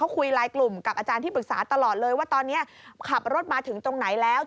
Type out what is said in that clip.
คุยไลน์กลุ่มกับอาจารย์ที่ปรึกษาตลอดเลยว่าตอนนี้ขับรถมาถึงตรงไหนแล้ว